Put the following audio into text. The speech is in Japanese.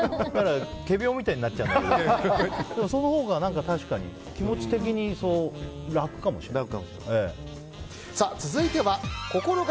仮病みたいになっちゃうけどそのほうが確かに気持ち的に楽かもしれない。